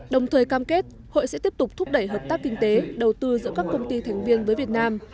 đồng thời cam kết hội sẽ tiếp tục thúc đẩy hợp tác kinh tế đầu tư giữa các công ty thành viên với việt nam